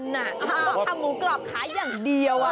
ต้องทำหมูกรอบขายอย่างเดียว